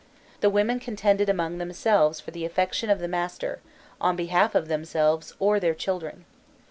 The women contended among themselves for the affection of the master, on behalf of themselves or their children.